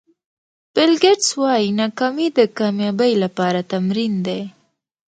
بیل ګېټس وایي ناکامي د کامیابۍ لپاره تمرین دی.